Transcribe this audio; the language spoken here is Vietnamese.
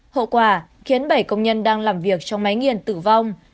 hậu quả khiến bảy công nhân đang làm việc trong máy nghiền tử vong